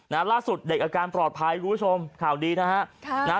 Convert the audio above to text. และล่าสุดเด็กอาการปลอดภัยรู้ชมข่าวดีนะฮะ